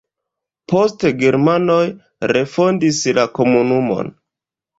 Poste germanoj refondis la komunumon.